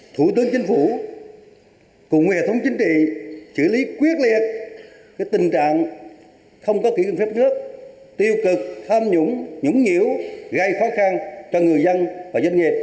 thủ tướng chính phủ cùng hệ thống chính trị xử lý quyết liệt tình trạng không có kỷ nguyên phép trước tiêu cực tham nhũng nhũng nhiễu gây khó khăn cho người dân và doanh nghiệp